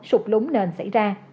sụp lúng nền xảy ra